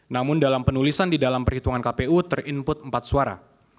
namun dalam penulisan di dalam perhitungan kpu ter input empat suara